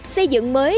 xây dựng mới